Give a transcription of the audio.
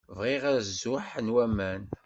Bɣiɣ azuḥ n waman.